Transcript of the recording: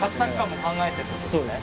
そうですね。